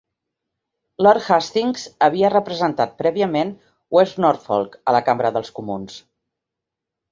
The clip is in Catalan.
Lord Hastings havia representat prèviament West Norfolk a la Cambra dels Comuns.